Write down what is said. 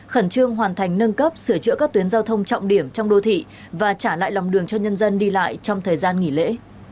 khẩn trương hoàn thành nâng cấp sửa chữa các tuyến giao thông trọng điểm trong đô thị và trả lại lòng đường cho nhân dân đi lại trong thời gian nghỉ lễ